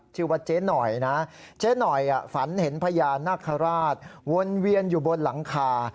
ชื่อว่าเจ๊หน่อยนะเจ๊หน่อยฝันเห็นพญานาคาราชวนเวียนอยู่บนหลังคา